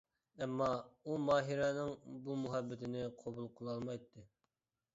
ئەمما، ئۇ ماھىرەنىڭ بۇ مۇھەببىتىنى قوبۇل قىلالمايتتى.